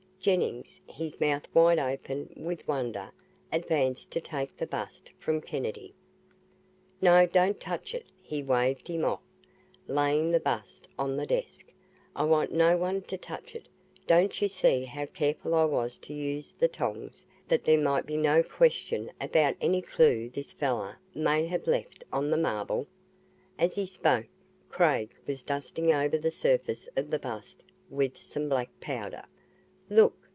Jennings, his mouth wide open with wonder, advanced to take the bust from Kennedy. "No don't touch it," he waved him off, laying the bust on the desk. "I want no one to touch it don't you see how careful I was to use the tongs that there might be no question about any clue this fellow may have left on the marble?" As he spoke, Craig was dusting over the surface of the bust with some black powder. "Look!"